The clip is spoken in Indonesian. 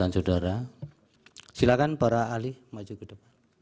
saudara silakan para ahli maju ke depan